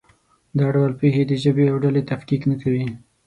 دا ډول پېښې د ژبې او ډلې تفکیک نه کوي.